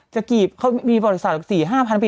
จะกลีบมีบริษัท๔๕พันปี